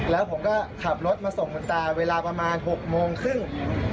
แล้วผมก็ขับรถมาส่งคุณตาเวลาประมาณ๖โมงครึ่ง